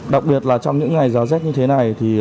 đặc biệt là trong những ngày giá rách như thế này